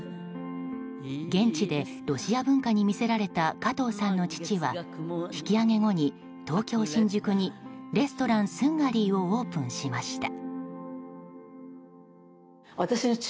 現地でロシア文化に魅せられた加藤さんの父は引き揚げ後に東京・新宿にレストラン、スンガリーをオープンしました。